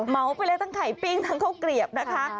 เอาไปเลยทั้งไข่ปิ้งทั้งข้าวเกลียบนะคะ